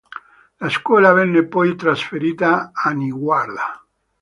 La scuola venne poi trasferita a Niguarda.